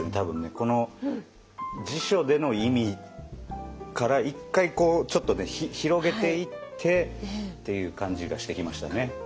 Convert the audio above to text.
この辞書での意味から一回ちょっと広げていってっていう感じがしてきましたね。